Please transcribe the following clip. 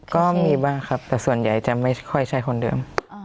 ก็มีบ้างครับแต่ส่วนใหญ่จะไม่ค่อยใช้คนเดิม